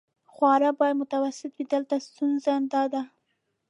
خواړه باید متوسط وي، دلته ستونزه داده.